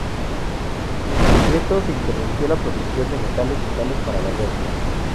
En concreto, se interrumpió la producción de metales vitales para la guerra.